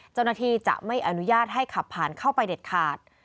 เจ้าหน้าที่จะไม่อนุญาตให้ขับผ่านเข้าไปเด็ดขาด